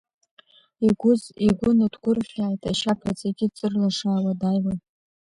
Игәы ныҭгәырӷьааит, ашьаԥа зегьы ыҵырлашаауа дааиуан.